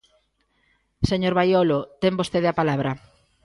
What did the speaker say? Señor Baiolo, ten vostede a palabra.